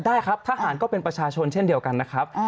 ได้ครับทหารก็เป็นประชาชนเช่นเดียวกันนะครับ